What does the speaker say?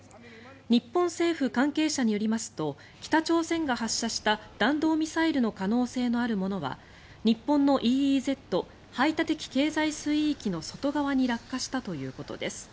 日本政府関係者によりますと北朝鮮が発射した弾道ミサイルの可能性のあるものは日本のＥＥＺ・排他的経済水域の外側に落下したということです。